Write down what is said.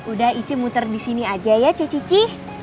udah ica muter disini aja ya ce cici